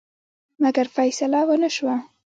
مګر فیصه ونه شوه.